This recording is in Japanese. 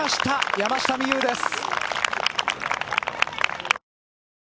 山下美夢有です。